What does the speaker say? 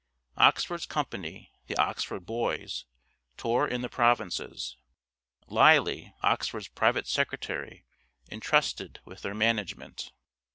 Oxford's company (The Oxford Boys) tour in the provinces. Lyly, Oxford's private secretary, entrusted with their management.